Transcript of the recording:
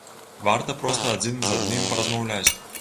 Варта проста адзін з адным паразмаўляць.